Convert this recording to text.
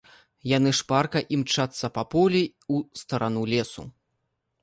Яны шпарка імчацца па полі ў старану лесу.